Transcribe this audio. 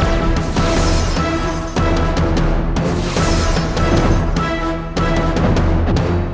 aku sudah berhenti